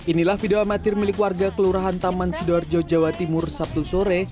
inilah video amatir milik warga kelurahan taman sidoarjo jawa timur sabtu sore